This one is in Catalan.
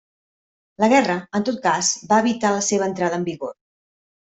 La guerra, en tot cas, va evitar la seva entrada en vigor.